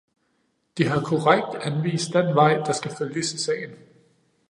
De har korrekt anvist den vej, der skal følges i sagen.